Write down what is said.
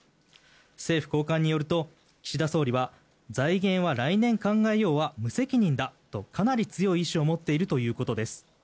政府高官によると、岸田総理は財源は来年考えようは無責任だとかなり強い意思を持っているということです。